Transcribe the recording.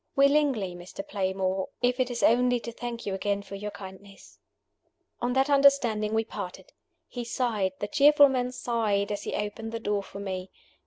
"Willingly, Mr. Playmore, if it is only to thank you again for your kindness." On that understanding we parted. He sighed the cheerful man sighed, as he opened the door for me.